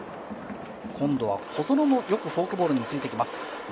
今度は小園もよくフォークボールについてきます。